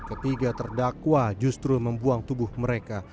ketiga terdakwa justru membuang tubuh mereka